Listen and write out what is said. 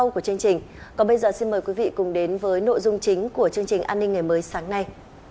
câu bây giờ xin mời quý vị cùng đến với nội dung chính của chương trình an ninh ngày mới sáng nay